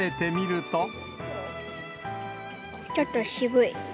ちょっと渋い。